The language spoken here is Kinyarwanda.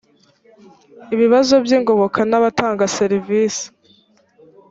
ibibazo by ingoboka n abatanga servisi